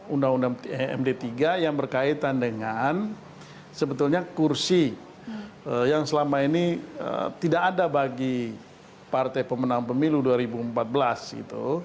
undang undang md tiga yang berkaitan dengan sebetulnya kursi yang selama ini tidak ada bagi partai pemenang pemilu dua ribu empat belas gitu